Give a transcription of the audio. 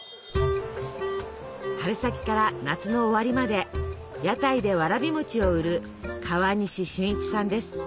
春先から夏の終わりまで屋台でわらび餅を売る川西俊一さんです。